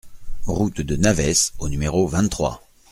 Route de Navès au numéro vingt-trois